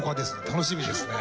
楽しみですね。